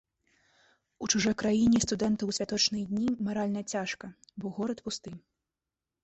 У чужой краіне студэнту ў святочныя дні маральна цяжка, бо горад пусты.